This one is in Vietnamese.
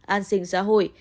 an sinh sản xuất